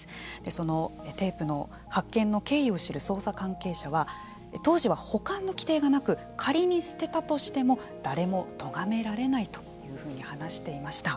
そのテープの発見の経緯を知る捜査関係者は当時は保管の規定がなく仮に捨てたとしても誰もとがめられないと話していました。